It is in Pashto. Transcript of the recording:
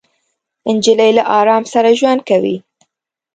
نجلۍ له ارام سره ژوند کوي.